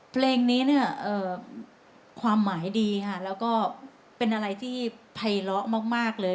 เพลงนี้เนี่ยความหมายดีค่ะแล้วก็เป็นอะไรที่ภัยเลาะมากเลย